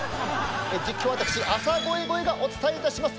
実況は私浅越ゴエがお伝えいたします。